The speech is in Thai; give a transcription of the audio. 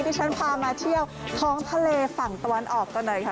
ที่ฉันพามาเที่ยวท้องทะเลฝั่งตะวันออกกันหน่อยค่ะ